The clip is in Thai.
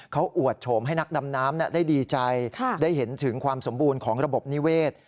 เขาอวดโฉมให้นักดำน้ำได้ดีใจได้เห็นถึงความสมบูรณ์ของระบบนิเวศ